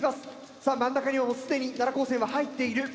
さぁ真ん中にはもう既に奈良高専は入っている。